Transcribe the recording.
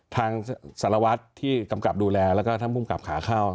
ทางศาลวัชทร์ที่กำกับดูแลและก็ทางผู้กับขาเข้า